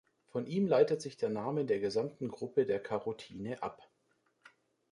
Von ihm leitet sich der Name der gesamten Gruppe der Carotine ab.